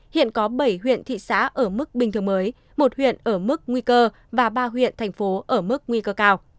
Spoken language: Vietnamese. hiện có bảy huyện thị xã ở mức bình thường mới một huyện ở mức nguy cơ và ba huyện thành phố ở mức nguy cơ cao